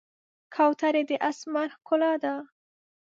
کوترې د آسمان ښکلا ده.